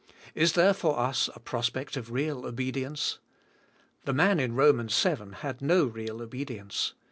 Is there for us a prospect of real obedience? The man in Romans seven had no real obedience.